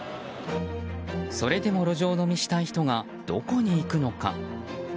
それでも路上飲みしたい人はどこに行くのか。